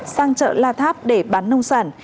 sang chợ la tháp để bán nông sản